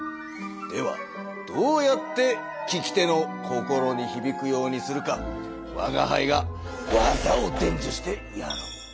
ではどうやって聞き手の心にひびくようにするかわがはいが技をでんじゅしてやろう。